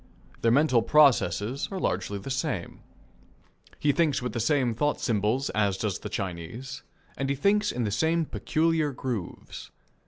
Their mental processes are largely the same. He thinks with the same thought symbols as does the Chinese, and he thinks in the same peculiar grooves.